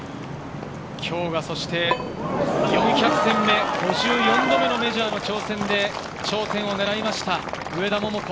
今日が４００戦目、５４度目のメジャーの挑戦で頂点を狙いました、上田桃子。